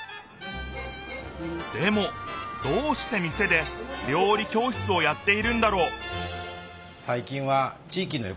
でもどうして店で料理教室をやっているんだろう？